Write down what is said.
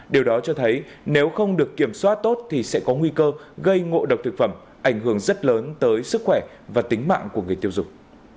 điều đó cho thấy nếu không được kiểm soát tốt thì sẽ có nguy cơ gây ngộ độc thực phẩm ảnh hưởng rất lớn tới sức khỏe và tính mạng của người tiêu dùng